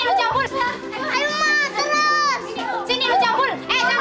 soalnya emangnya bukan orang